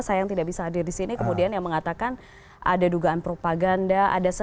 saya yang tidak bisa hadir di sini kemudian yang mengatakan ada dugaan propaganda